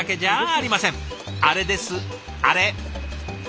あれですあれ！